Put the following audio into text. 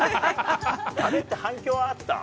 あれって反響あった？